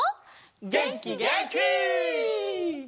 げんきげんき！